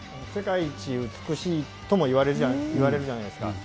世界一美しいともいわれるじゃないですか。